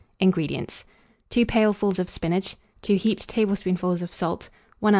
INGREDIENTS. 2 pailfuls of spinach, 2 heaped tablespoonfuls of salt, 1 oz.